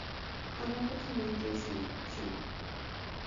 আমার কথা মন দিয়ে শোনো, শন।